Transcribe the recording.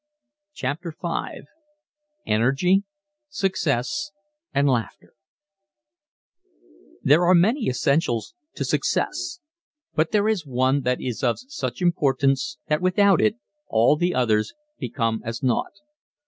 CHAPTER V ENERGY, SUCCESS AND LAUGHTER There are many essentials to success, but there is one that is of such importance that without it all the others become as naught.